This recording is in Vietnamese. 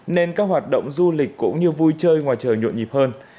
nên các hoạt động du lịch cũng như vui chơi ngoài trời nhuộn nhịp hơn